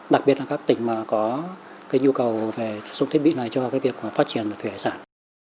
đặc biệt là các tỉnh có nhu cầu về sử dụng thiết bị này cho việc phát triển thủy sản